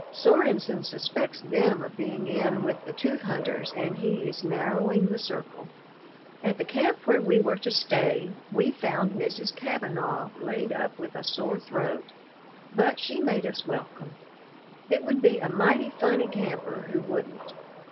Sorenson suspects them of being in with the tooth hunters and he is narrowing the circle. At the camp where we were to stay, we found Mrs. Kavanaugh laid up with a sore throat, but she made us welcome. It would be a mighty funny camper who wouldn't.